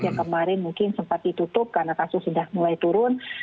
yang kemarin mungkin sempat ditutup karena kasus sudah mulai turun